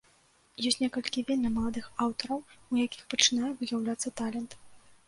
Ёсць некалькі вельмі маладых аўтараў, у якіх пачынае выяўляцца талент.